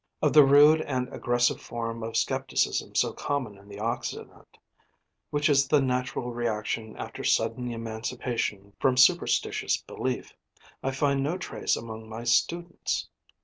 Of the rude and aggressive form of scepticism so common in the Occident, which is the natural reaction after sudden emancipation from superstitious belief, I find no trace among my students.